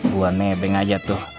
gua nebeng aja tuh